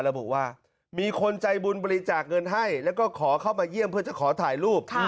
ระบุว่ามีคนใจบุญบริจาคเงินให้แล้วก็ขอเข้ามาเยี่ยมเพื่อจะขอถ่ายรูป